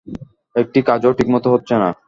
একটি কাজও ঠিকমতো হচ্ছে না।